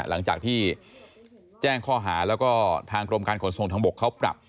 หลังจากที่แจ้งข้อหาแล้วก็ทางกรมการขนส่งทางบกเขาปรับ